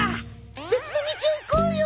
別の道を行こうよ。